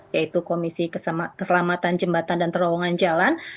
yaitu komisi keselamatan jembatan dan terowongan jalan